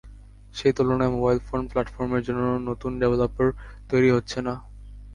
সেই তুলনায় mobile phone প্ল্যাটফর্মের জন্য নতুন ডেভেলপার তৈরি হচ্ছে না।